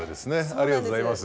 ありがとうございます。